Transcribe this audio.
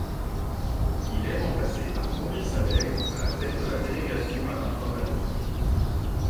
Il est remplacé par Maurice Allègre à la tête de la Délégation à l’Informatique.